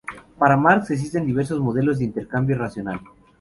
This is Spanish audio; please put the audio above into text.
Para Marx existen diversos modelos de intercambio racional.